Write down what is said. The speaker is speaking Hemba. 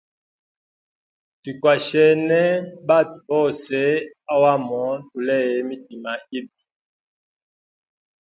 Twikwashene batwe bose ohamo tuleye mitima yibi.